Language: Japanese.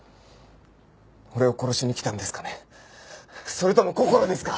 それともこころですか？